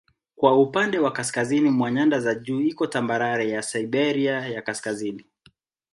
Kwa upande wa kaskazini mwa nyanda za juu iko tambarare ya Siberia ya Kaskazini.